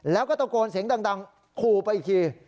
แล้วก็ตะโกนเสียงดังขู่ไปอีกที